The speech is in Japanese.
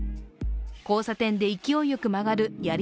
交差点で勢いよく回るやり